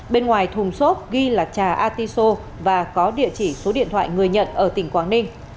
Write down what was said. bên ngoài thùng xốp ghi là trà artiso và có địa chỉ số điện thoại người nhận ở tỉnh quảng ninh